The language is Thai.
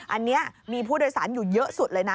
อันนี้มีผู้โดยสารอยู่เยอะสุดเลยนะ